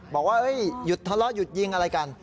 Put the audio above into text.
บอกว่าหยุดทะเลาะหยุดยิงอะไรกัน